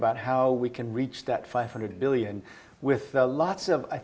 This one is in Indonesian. bagaimana kita bisa mencapai lima ratus juta dolar